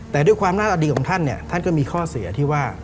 แต่ด้วยความหน้าตาดีของท่านเนี่ยท่านก็มีข้อเสียที่ว่า